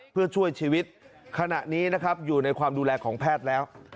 เพื่อช่วยชีวิตขณะนี้นะครับอยู่ในความดูแลของแพทย์แล้ว